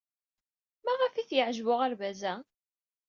Maɣef ay t-yeɛjeb uɣerbaz-a?